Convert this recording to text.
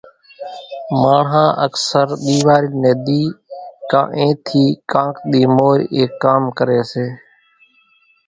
ماڻۿان اڪثر ۮيواري ني ۮي ڪان اين ٿي ڪانڪ ۮي مور ايڪ ڪام ڪري سي،